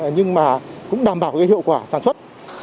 nhưng mà cũng đảm bảo hiệu quả sản xuất